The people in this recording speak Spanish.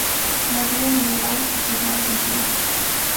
Nacido en Uruguay y creció en Argentina.